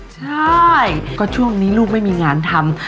ใช่ก็ช่วงนี้ลูกไม่มีงานทำ